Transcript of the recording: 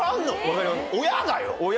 親だよ？